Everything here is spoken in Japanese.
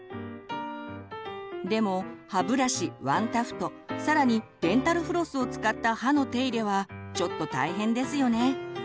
でも歯ブラシワンタフト更にデンタルフロスを使った歯の手入れはちょっと大変ですよね。